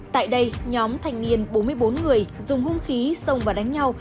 tại đây nhóm thanh niên bốn mươi bốn người dùng hung khí xông và đánh nhau